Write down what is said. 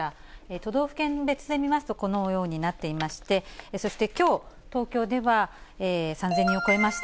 都道府県別で見ますと、このようになっていまして、そしてきょう、東京では３０００人を超えました。